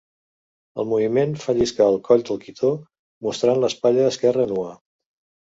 El moviment fa lliscar el coll del quitó, mostrant l'espatlla esquerra nua.